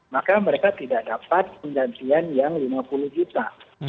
maka mereka tidak dapat penggantian yang lima puluh juta